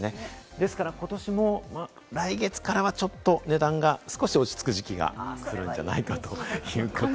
ですから、ことしも来月からはちょっと値段が少し落ち着く時期が来るんじゃないかということです。